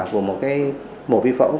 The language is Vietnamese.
của một cái mổ vi phẫu